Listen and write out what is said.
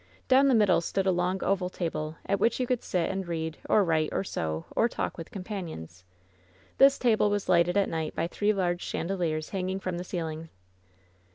Down the middle stood a long oval table, at which you could sit and read, or write, or sew, or talk with companions. This table was lighted at night by three large chandeliers hanging from the ceiling.